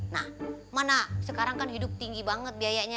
nah mana sekarang kan hidup tinggi banget biayanya